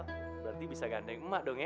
berarti bisa ganteng mak dong ya